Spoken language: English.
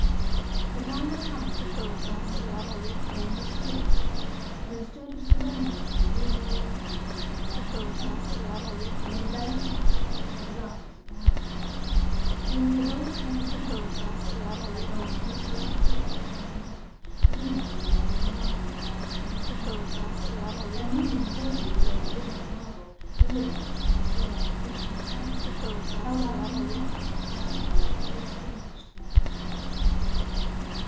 The time had come but he did not open the door. All was still; and instead of surrendering to the reasonable exigencies of life he stepped out, with a rebelling heart, into the darkness of the house. It was the abode of an impenetrable night; as though indeed the last day had come and gone, leaving him alone in a darkness that has no to morrow. And looming vaguely below the woman of marble, livid and still like a patient phantom, held out in the night a cluster of extinguished lights.